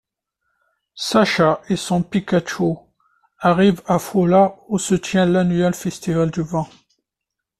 Sacha et son Pikachu arrive à Fula où se tient l'annuel Festival du Vent.